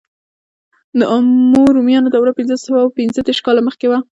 د عامو رومیانو دوره پنځه سوه پنځه دېرش کاله مخکې وه.